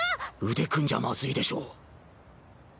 腕組んじゃまずいでしょ。